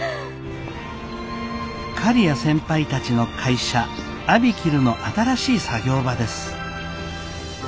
刈谷先輩たちの会社ＡＢＩＫＩＬＵの新しい作業場です。